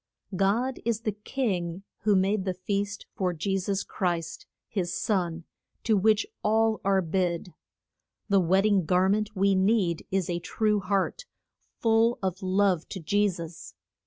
God is the king who made the feast for Je sus Christ, his son, to which all are bid. The wed ding gar ment we need is a true heart, full of love to Je sus.